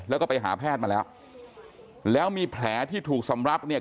แล้วก็ไปหาแพทย์มาแล้วแล้วมีแผลที่ถูกสำรับเนี่ย